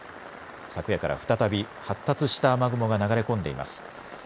昨夜から再び発達した雨雲が流れ込んでいます。